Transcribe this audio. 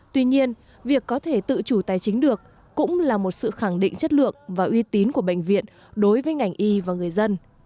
tuy nhiên việc có thể tự chủ tài chính được cũng là một sự khẳng định chất lượng và uy tín của bệnh viện đối với ngành y và người dân